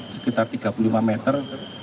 sekitar tiga puluh lima meter